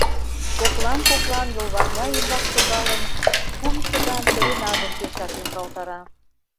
Коклан-коклан йолварня ӱмбак шогалын, кум чыган серенадым пешак йоҥгалтара.